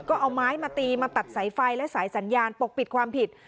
ก็เอาไม้มาตีมาตัดสายไฟและสายสัญญาณปกปิดความผิด